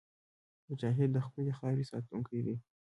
مجاهد د خپلې خاورې ساتونکی دی.